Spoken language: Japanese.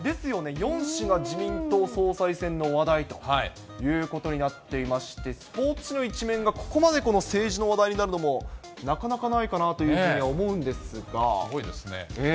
４紙が自民党総裁選の話題ということになっていまして、スポーツ紙の１面がここまで政治の話題になるのもなかなかないかすごいですね。